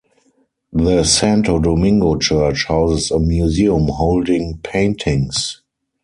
The Santo Domingo church houses a museum holding paintings.